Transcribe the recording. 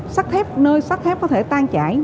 sắc thép nơi sắc thép có thể tan chảy